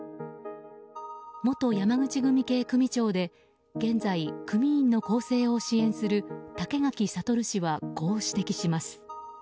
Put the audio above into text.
元山口組系組長で現在、組員の支援をする竹垣悟氏はこう指摘します。